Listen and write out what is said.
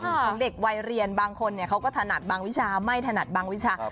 ของเด็กวัยเรียนบางคนเขาก็ถนัดบางวิชาไม่ถนัดบางวิชา